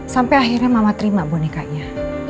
sampai akhirnya mama terima bonekanya